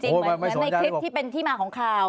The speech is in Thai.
เหมือนในคลิปที่เป็นที่มาของข่าว